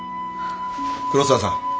黒沢さん。